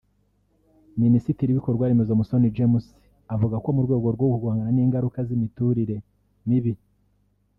Minisitiri w’ibikorwaremezo Musoni James avuga ko mu rwego rwo guhangana n’ingaruka z’imiturire mibi